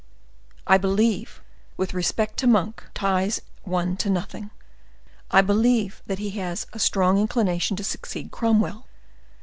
—I believe, with respect to Monk, ties one to nothing—I believe that he has a strong inclination to succeed Cromwell.